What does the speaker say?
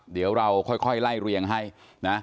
เดี๋ยวเราค่อยไล่เรียงให้นะ